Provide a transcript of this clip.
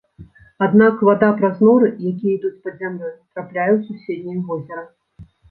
Аднак, вада праз норы, якія ідуць пад зямлёй, трапляе ў суседняе возера.